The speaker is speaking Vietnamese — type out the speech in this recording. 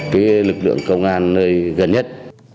cái lực lượng công an nơi gần nhất